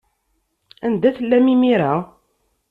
Anda tellam imir-a?